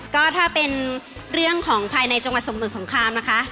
ก็ถ้าเป็นเรื่องของภายในจังหวัดสมุทรสงครามนะคะ